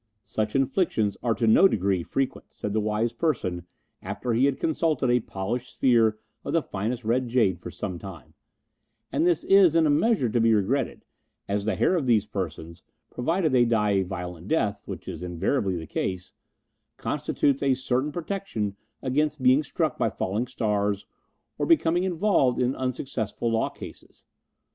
"Such inflictions are to no degree frequent," said the wise person after he had consulted a polished sphere of the finest red jade for some time; "and this is in a measure to be regretted, as the hair of these persons provided they die a violent death, which is invariably the case constitutes a certain protection against being struck by falling stars, or becoming involved in unsuccessful law cases.